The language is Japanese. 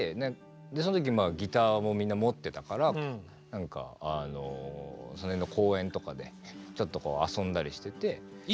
そん時ギターをみんな持ってたから何かその辺の公園とかでちょっと遊んだりしてて。